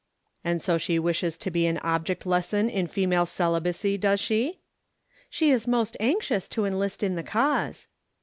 "And so she wishes to be an object lesson in female celibacy, does she?" "She is most anxious to enlist in the Cause."